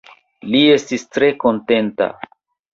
Li estis tre kontenta.